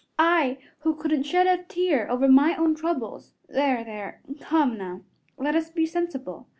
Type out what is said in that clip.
I, who couldn't shed a tear over my own troubles there, there, come now, let us be sensible.